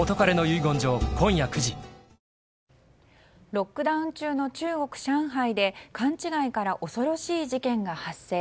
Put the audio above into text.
ロックダウン中の中国・上海で恐ろしい事件が発生。